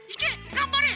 がんばれ！